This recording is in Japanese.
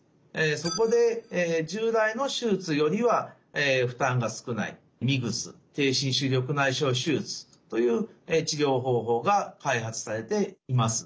そこで従来の手術よりは負担が少ないＭＩＧＳ低侵襲緑内障手術という治療方法が開発されています。